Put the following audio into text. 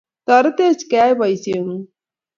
Toretech keyai boisieng'ung',